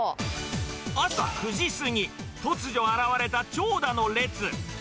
朝９時過ぎ、突如現れた長蛇の列。